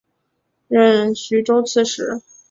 任徐州刺史。